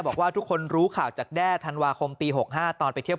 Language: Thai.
บอกว่าทุกคนรู้ข่าวจากแด้ธันวาคมปี๖๕ตอนไปเที่ยว